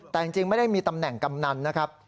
แต่จริงไม่ได้มีตำแหน่งกำนันนะครับ